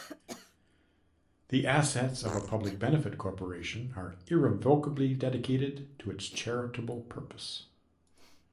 The assets of a public benefit corporation are irrevocably dedicated to its charitable purpose.